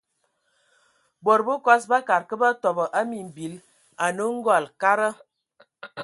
Bod bəkɔs bakad kə batɔbɔ a mimbil anə:ngɔl, kada.